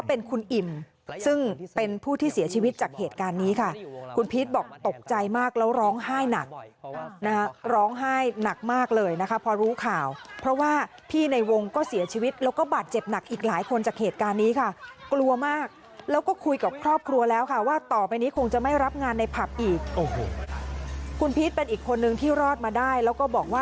เป็นคุณอิ่มซึ่งเป็นผู้ที่เสียชีวิตจากเหตุการณ์นี้ค่ะคุณพีชบอกตกใจมากแล้วร้องไห้หนักนะคะร้องไห้หนักมากเลยนะคะพอรู้ข่าวเพราะว่าพี่ในวงก็เสียชีวิตแล้วก็บาดเจ็บหนักอีกหลายคนจากเหตุการณ์นี้ค่ะกลัวมากแล้วก็คุยกับครอบครัวแล้วค่ะว่าต่อไปนี้คงจะไม่รับงานในผับอีกโอ้โหคุณพีชเป็นอีกคนนึงที่รอดมาได้แล้วก็บอกว่า